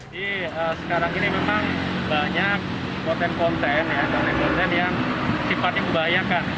jadi sekarang ini memang banyak konten konten yang tiba tiba membahayakan